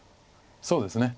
そうですね。